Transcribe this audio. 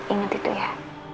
ingat itu ya